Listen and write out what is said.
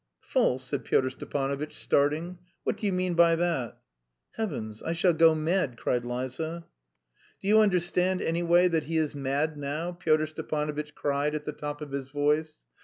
"False?" said Pyotr Stepanovitch, starting. "What do you mean by that?" "Heavens! I shall go mad!" cried Liza. "Do you understand, anyway, that he is mad now!" Pyotr Stepanovitch cried at the top of his voice.